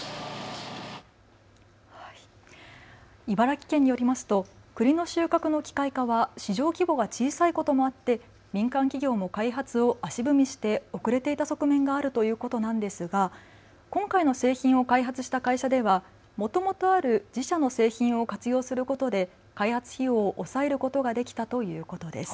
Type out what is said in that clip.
茨城県によりますとくりの収穫の機械化は市場規模が小さいこともあって民間企業も開発を足踏みして遅れていた側面があるということなんですが今回の製品を開発した会社ではもともとある自社の製品を活用することで開発費用を抑えることができたということです。